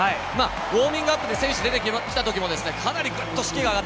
ウォーミングアップで選手が出てきたときも、かなり士気も上がって